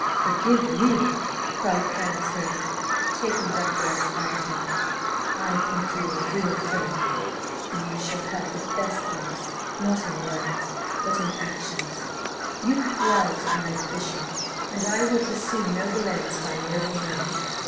"Forgive you!" cried Clarence Hervey, taking Dr. X by the hand, "I think you a real friend; you shall have the best thanks not in words, but in actions: you have roused my ambition, and I will pursue noble ends by noble means.